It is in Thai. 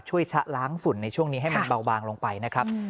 ชะล้างฝุ่นในช่วงนี้ให้มันเบาบางลงไปนะครับ